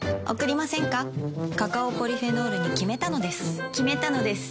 カカオポリフェノールに決めたのです決めたのです。